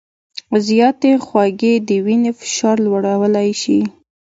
زیاتې خوږې د وینې فشار لوړولی شي.